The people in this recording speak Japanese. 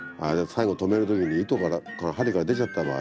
最後留める時に糸が針から出ちゃった場合